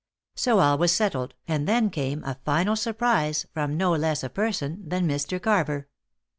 So all was settled, and then came a final surprise from no less a person than Mr. Carver.